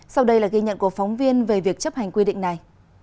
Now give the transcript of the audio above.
sau đây là ghi nhận của phóng viên về việc chấp hành quy định này